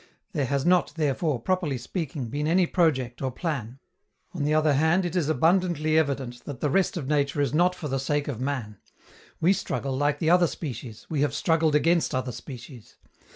There has not, therefore, properly speaking, been any project or plan. On the other hand, it is abundantly evident that the rest of nature is not for the sake of man: we struggle like the other species, we have struggled against other species.